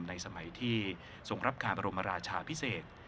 ในสมัยที่ทรงรับการบรมราชาพิเศษ